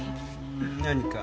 何か？